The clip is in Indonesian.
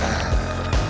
saya tunggu di sana bang